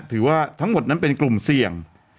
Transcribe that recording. ถือว่าทั้งหมดนั้นเป็นกลุ่มเสี่ยง